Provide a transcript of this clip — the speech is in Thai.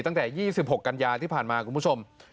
ตั้งแต่๒๖กันยาที่ผ่านมาคุณผู้ชม